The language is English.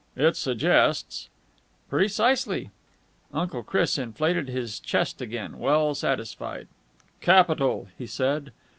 "It suggests...." "Precisely." Uncle Chris inflated his chest again, well satisfied. "Capital!" he said.